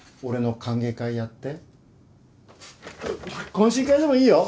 懇親会でもいいよ！